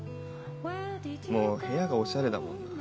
もう部屋がおしゃれだもんな。